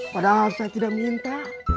padahal saya tidak minta